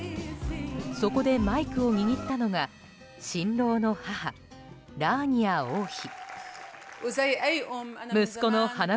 そこでマイクを握ったのが新郎の母、ラーニア王妃。